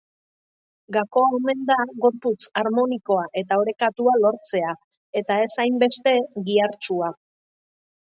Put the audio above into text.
Gakoa omen da gorputz harmonikoa eta orekatua lortzea, eta ez hainbeste gihartsua.